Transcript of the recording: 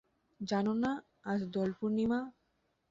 জান না আজ দোলপূর্ণিমা?